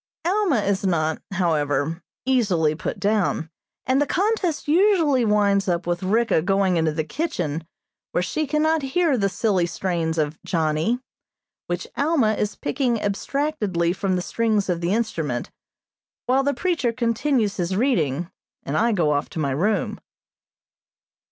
Alma is not, however, easily put down, and the contest usually winds up with Ricka going into the kitchen where she cannot hear the silly strains of "Johnny," which Alma is picking abstractedly from the strings of the instrument, while the preacher continues his reading, and I go off to my room.